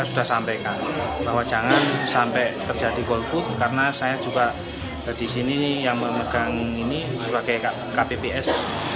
saya sudah sampaikan bahwa jangan sampai terjadi golput karena saya juga di sini yang memegang ini sebagai kpps